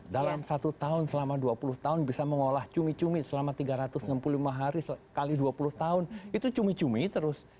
dalam satu tahun selama dua puluh tahun bisa mengolah cumi cumi selama tiga ratus enam puluh lima hari sekali dua puluh tahun itu cumi cumi terus